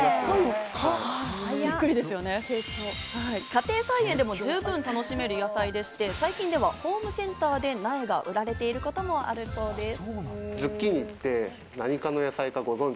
家庭菜園でも十分楽しめる野菜でして、最近ではホームセンターで苗が売られていることもあるそうです。